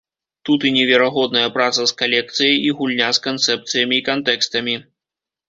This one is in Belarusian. Тут і неверагодная праца з калекцыяй, і гульня з канцэпцыямі і кантэкстамі.